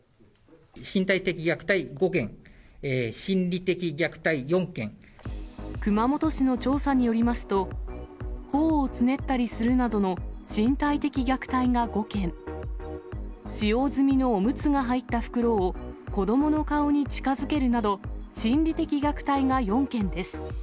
身体的虐待５件、心理的虐待熊本市の調査によりますと、ほおをつねったりするなどの身体的虐待が５件、使用済みのおむつが入った袋を子どもの顔に近づけるなど、心理的虐待が４件です。